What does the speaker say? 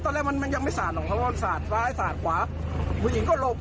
หมายถึงผู้หญิงก็โดดลงน้ำเลยใช่ไหม